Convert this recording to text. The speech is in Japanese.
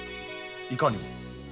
いかにも。